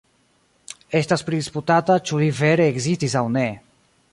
Estas pridisputata, ĉu li vere ekzistis aŭ ne.